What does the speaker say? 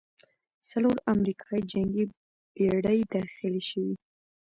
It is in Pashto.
څلور امریکايي جنګي بېړۍ داخلې شوې.